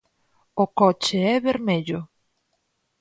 O coche é vermello.